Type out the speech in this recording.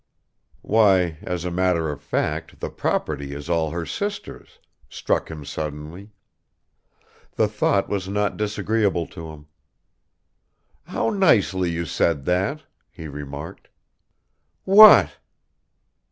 "Why, as a matter of fact, the property is all her sister's!" struck him suddenly; the thought was not disagreeable to him. "How nicely you said that," he remarked. "What?"